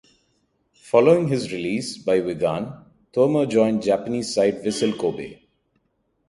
Following his release by Wigan, Thome joined Japanese side Vissel Kobe.